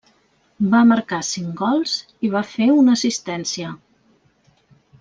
Va marcar cinc gols i va fer una assistència.